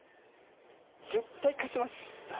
絶対勝ちます。